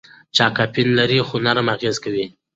چای کافین لري خو نرم اغېز کوي.